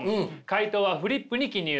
回答はフリップに記入。